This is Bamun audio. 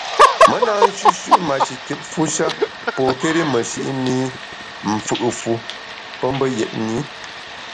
Me na nshüshü’ mashikitfu sha pokéri meshi’ mi mfù’ fu pe mbe yetni.